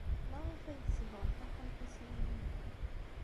Maɣef ay tsebɣem taxxamt-a s yini-a?